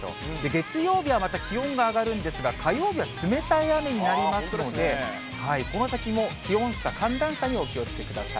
月曜日はまた気温が上がるんですが、火曜日は冷たい雨になりますので、この先も気温差、寒暖差にお気をつけください。